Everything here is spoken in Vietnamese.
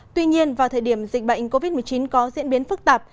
tuy nhiên vào thời điểm dịch bệnh covid một mươi chín có diễn biến phức tạp